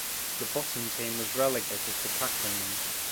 The bottom team was relegated to Kakkonen.